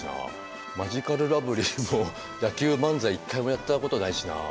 マヂカルラブリーも野球漫才一回もやったことないしなあ。